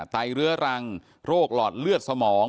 ไรเรื้อรังโรคหลอดเลือดสมอง